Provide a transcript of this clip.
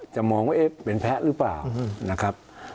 จะมองว่าเป็นแพ้หรือเปล่า